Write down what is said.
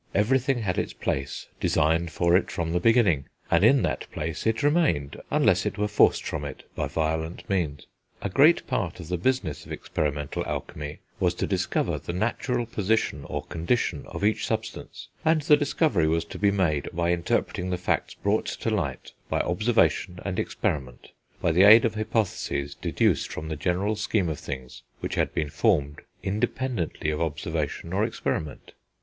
Everything had its place, designed for it from the beginning, and in that place it remained unless it were forced from it by violent means. A great part of the business of experimental alchemy was to discover the natural position, or condition, of each substance; and the discovery was to be made by interpreting the facts brought to light by observation and experiment by the aid of hypotheses deduced from the general scheme of things which had been formed independently of observation or experiment.